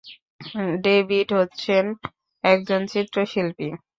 David হচ্ছেন একজন চিত্রশিল্পী।